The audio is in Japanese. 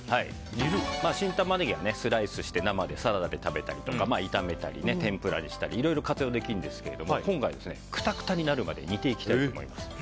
新タマネギはスライスして生でサラダで食べたりとか炒めたり、天ぷらにしたりいろいろ活用できるんですが今回は、クタクタになるまで煮ていきたいと思います。